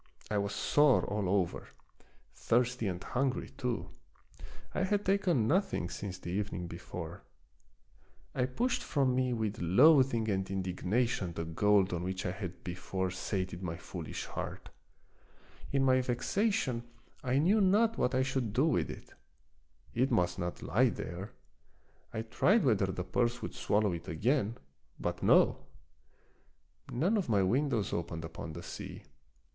I was sore all over ; thirsty and hungry too ; I had taken nothing since the evening before. I pushed from me with loathing and indignation the gold on which I had before sated my foolish heart. In my vexation I knew ^ A novel by Baron de La Motte Fouqu^. of Peter Schlemihl. 19 not what I should do with it. It must not lie there. I tried whether the purse would swallow it again — but no ! None of my windows opened upon the sea.